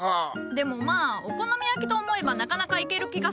でもまあお好み焼きと思えばなかなかいける気がするぞ。